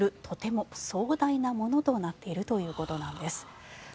とても壮大なものとなっているということなんです。